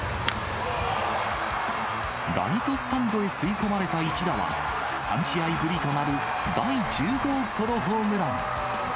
ライトスタンドへ吸い込まれた一打は、３試合ぶりとなる第１０号ソロホームラン。